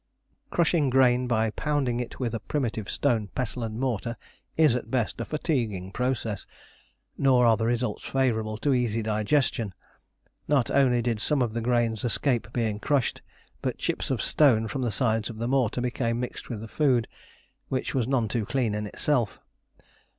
Crushing grain by pounding it with a primitive stone pestle and mortar is at best a fatiguing process, nor are the results favourable to easy digestion. Not only did some of the grains escape being crushed, but chips of stone from the sides of the mortar became mixed with the food, which was none too clean in itself.